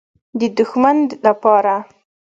_د دښمن له پاره.